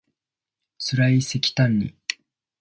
つらいせきたんに